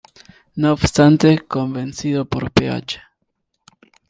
No obstante, convencido por Ph.